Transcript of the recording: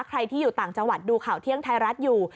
ใครที่อยู่ต่างจังหวัดดูข่าวเที่ยงไทยรัฐอยู่